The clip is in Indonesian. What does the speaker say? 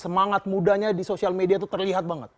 semangat mudanya di sosial media itu terlihat banget